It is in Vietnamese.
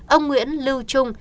ông nguyễn lưu trung